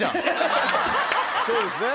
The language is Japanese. そうですね。